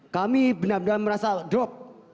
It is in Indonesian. kami benar benar merasa drop